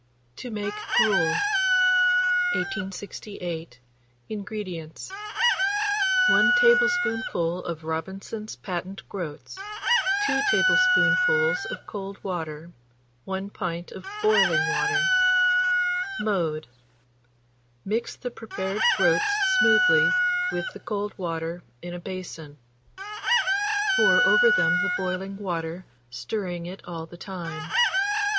TO MAKE GRUEL. 1868. INGREDIENTS. 1 tablespoonful of Robinson's patent groats, 2 tablespoonfuls of cold water, 1 pint of boiling water. Mode. Mix the prepared groats smoothly with the cold water in a basin; pour over them the boiling water, stirring it all the time.